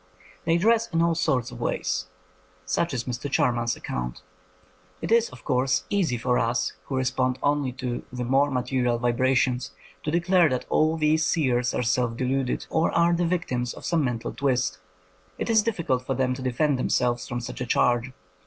They dress in all sorts of ways. Such is Mr. Charman's account. It is, of course, easy for us who respond only to the more material vibrations to de clare that all these seers are self deluded, or are the victims of some mental twist. It is difficult for them to defend themselves from such a charge.